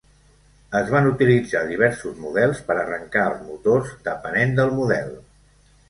Es van utilitzar diversos models per arrancar els motors depenent del model.